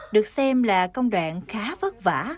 được xem là công đoạn khá vất vả